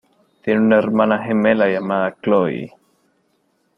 Tiene una hermana gemela llamada Chloe.